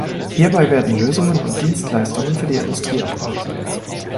Hierbei werden Lösungen und Dienstleistungen für die Industrie erbracht.